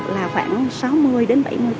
là khoảng sáu mươi đến bảy mươi